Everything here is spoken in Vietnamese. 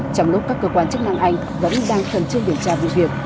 trong lúc các cơ quan chức năng anh vẫn đang cần chương điểm tra vụ việc